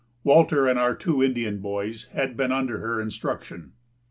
Walter and our two Indian boys had been under her instruction.